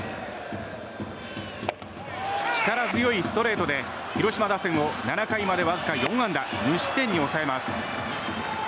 力強いストレートで広島打線を７回までわずか４安打無失点に抑えます。